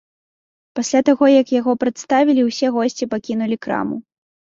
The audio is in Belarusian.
Пасля таго, як яго прадставілі, усе госці пакінулі краму.